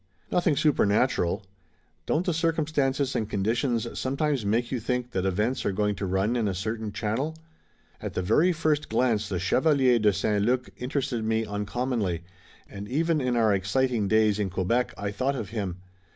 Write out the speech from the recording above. "Nothing supernatural. Don't the circumstances and conditions sometimes make you think that events are going to run in a certain channel? At the very first glance the Chevalier de St. Luc interested me uncommonly, and even in our exciting days in Quebec I thought of him.